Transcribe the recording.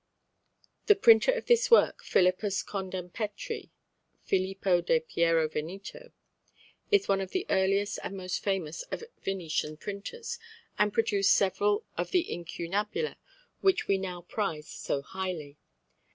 The printer of this work, Philippus Condam Petri (Philippo de Piero Veneto) is one of the earliest and most famous of Venetian printers, and produced several of the incunabula which we now prize so highly.